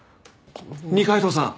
二階堂さん